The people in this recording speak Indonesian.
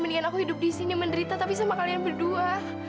mendingan aku hidup di sini menderita tapi sama kalian berdua